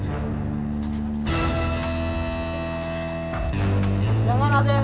jangan ada yang lagi ganggu mereka